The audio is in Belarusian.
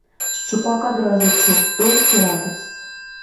Шчупак адразу чуў толькі радасць.